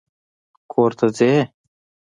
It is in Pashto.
کور ته ځې!